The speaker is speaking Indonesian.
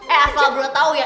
eh asal beliau tau ya